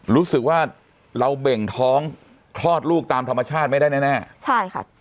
รู้สึกว่าเราเบ่งท้องคลอดลูกตามธรรมชาติไม่ได้แน่แน่ใช่ค่ะ